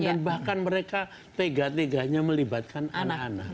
dan bahkan mereka tegak tegaknya melibatkan anak anak